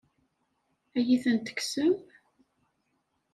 Ad iyi-ten-tekksem?